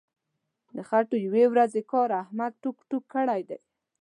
د خټو یوې ورځې کار احمد ټوک ټوک کړی دی.